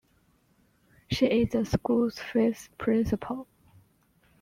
She is the school's fifth Principal.